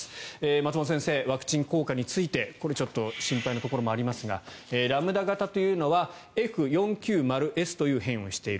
松本先生、ワクチン効果についてちょっと心配なところもありますがラムダ型というのはＦ４９０Ｓという変異をしている。